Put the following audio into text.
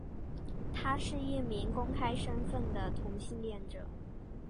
他是一名公开身份的同性恋者。